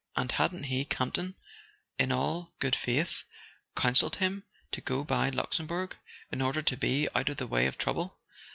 And hadn't he, Campton, in all good faith, counselled him to go by Luxembourg "in order to be out of the way of trouble"?